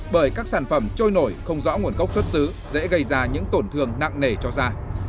bởi các sản phẩm trôi nổi không rõ nguồn gốc xuất xứ dễ gây ra những tổn thương nặng nề cho da